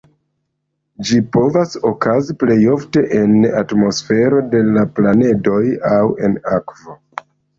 Ĝi povas okazi plej ofte en atmosfero de la planedoj aŭ en akvo.